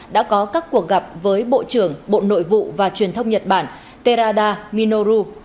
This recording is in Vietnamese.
đã có các cuộc gặp với bộ trưởng bộ nội vụ và truyền thông nhật bản tera minoru